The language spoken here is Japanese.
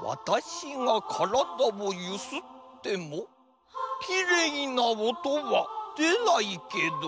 私がからだをゆすってもきれいな音は出ないけど。